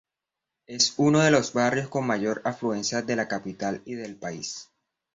Es uno de los barrios con mayor afluencia de la capital y del país.